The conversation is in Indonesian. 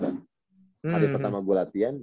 hari pertama gue latihan